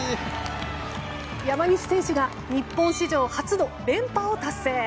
山西選手が日本史上初の２連覇を達成。